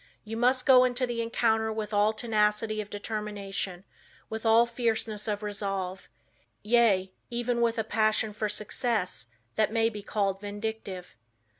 You must go into the encounter with all tenacity of determination, with all fierceness of resolve yea, even with a passion for success that may be called vindictive.